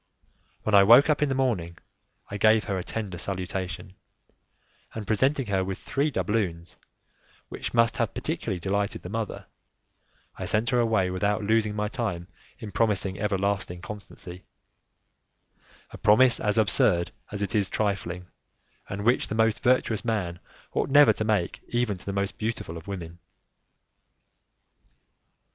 When I woke up in the morning I gave her a tender salutation, and presenting her with three doubloons, which must have particularly delighted the mother, I sent her away without losing my time in promising everlasting constancy a promise as absurd as it is trifling, and which the most virtuous man ought never to make even to the most beautiful of women.